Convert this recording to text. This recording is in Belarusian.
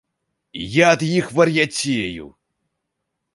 Я ад іх вар'яцею.